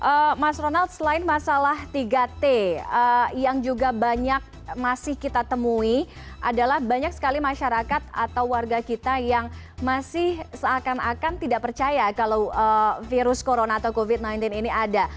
oke mas ronald selain masalah tiga t yang juga banyak masih kita temui adalah banyak sekali masyarakat atau warga kita yang masih seakan akan tidak percaya kalau virus corona atau covid sembilan belas ini ada